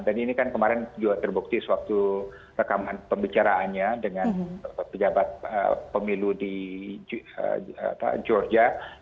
dan ini kan kemarin juga terbukti sewaktu rekaman pembicaraannya dengan pejabat pemilu di georgia